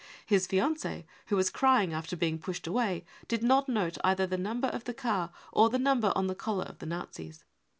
His fiancee, who was crying after being pushed away, did not note either the number of the car or the number on the collar of the Nazis.